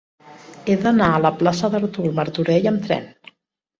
He d'anar a la plaça d'Artur Martorell amb tren.